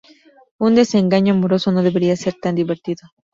Un desengaño amoroso no debería ser tan divertido.